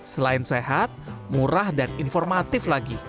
selain sehat murah dan informatif lagi